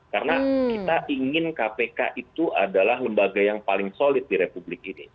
karena kita ingin kpk itu adalah lembaga yang paling solid di republik ini